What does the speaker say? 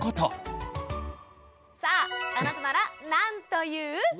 さああなたならなんと言う？